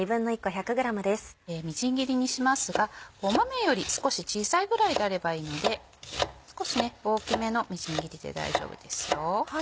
みじん切りにしますが豆より少し小さいぐらいであればいいので少し大きめのみじん切りで大丈夫です。